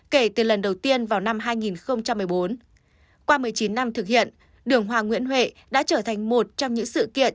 kể từ lần đầu tiên vào năm hai nghìn một mươi bốn qua một mươi chín năm thực hiện đường hoa nguyễn huệ đã trở thành một trong những sự kiện